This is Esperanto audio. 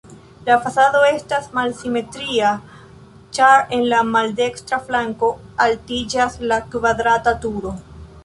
La fasado estas malsimetria, ĉar en la maldekstra flanko altiĝas la kvadrata turo.